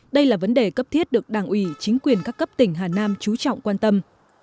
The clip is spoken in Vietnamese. đây là vấn đề cấp thiết được đảng ủy chính quyền các cấp tỉnh hà nam trú trọng quan tâm